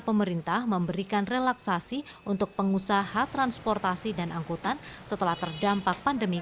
pemerintah memberikan relaksasi untuk pengusaha transportasi dan angkutan setelah terdampak pandemi